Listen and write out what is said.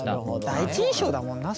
第一印象だもんな